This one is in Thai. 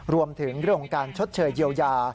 รวมถึงเรื่องของการชดเชยเยียวยา